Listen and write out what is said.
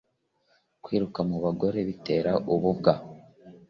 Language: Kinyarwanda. kwiruka mubagore biter ububwa